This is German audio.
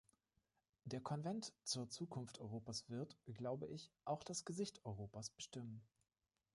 Der Konvent zur Zukunft Europas wird, glaube ich, auch das Gesicht Europas bestimmen.